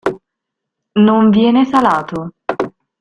Non viene salato.